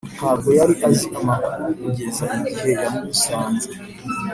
ntabwo yari azi amakuru kugeza igihe yamusanze.